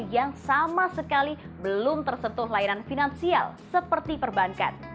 yang sama sekali belum tersentuh layanan finansial seperti perbankan